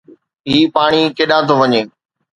هي پاڻي ڪيڏانهن ٿو وڃي؟